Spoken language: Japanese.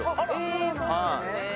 そうなんですね。